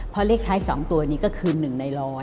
เพราะเลขท้าย๒ตัวนี้ก็คือ๑ใน๑๐๐